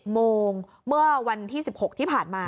โมงเมื่อวันที่๑๖ที่ผ่านมา